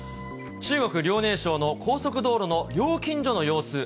中国・遼寧省の高速道路の料金所の様子。